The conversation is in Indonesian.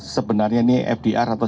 sebenarnya ini fdr atau